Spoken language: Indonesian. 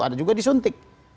ada juga disuntik